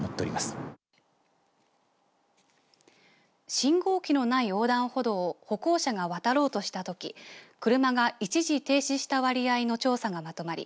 信号機のない横断歩道を歩行者が渡ろうとしたとき車が一時停止した割合の調査がまとまり